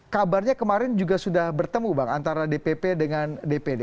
kabarnya kemarin juga sudah bertemu bang antara dpp dengan dpd